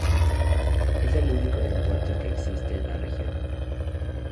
Es el único aeropuerto que existe en la región.